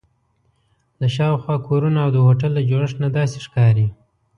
له شاوخوا کورونو او د هوټل له جوړښت نه داسې ښکاري.